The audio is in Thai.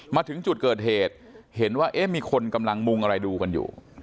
มาถึงจุดเกิดเหตุเห็นว่าเอ๊ะมีคนกำลังมุงอะไรดูกันอยู่